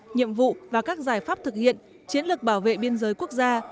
nhiệm vụ và các giải pháp thực hiện chiến lược bảo vệ biên giới quốc gia